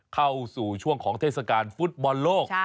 เข้าสู่ช่วงของเทศกาลฟุตบอลโลก